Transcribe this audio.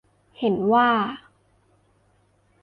เห็นว่า